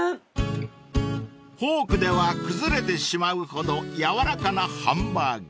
［フォークでは崩れてしまうほど軟らかなハンバーグ］